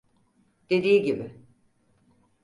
Dediği gibi.